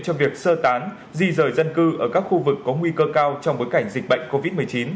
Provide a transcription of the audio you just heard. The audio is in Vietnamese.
cho việc sơ tán di rời dân cư ở các khu vực có nguy cơ cao trong bối cảnh dịch bệnh covid một mươi chín